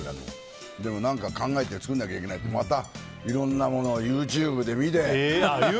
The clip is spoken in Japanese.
でも何か考えて作らなきゃいけないっていろんなものをＹｏｕＴｕｂｅで見て。